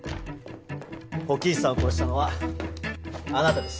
火鬼壱さんを殺したのはあなたです。